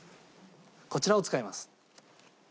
こちらを使います。